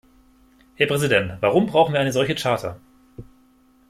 Herr Präsident, warum brauchen wir eine solche Charta?